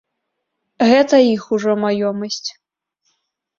Гэта іх ужо маёмасць.